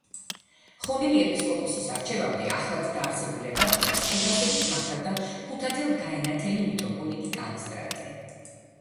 ხონელი ეპისკოპოსის არჩევამდე ახლადდაარსებულ ეპარქიას შეთავსებით მართავდა ქუთათელ-გაენათელი მიტროპოლიტი კალისტრატე.